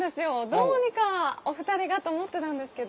どうにかお２人がと思ってたんですけど。